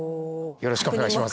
よろしくお願いします。